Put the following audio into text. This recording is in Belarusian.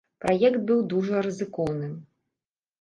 Праект быў дужа рызыкоўным.